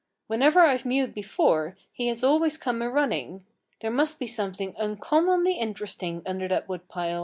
"Whenever I've mewed before he has always come a running. There must be something uncommonly interesting under that woodpile."